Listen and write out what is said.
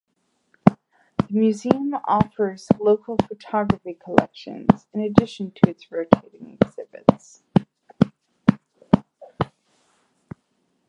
The museum offers local photography collections in addition to its rotating exhibits.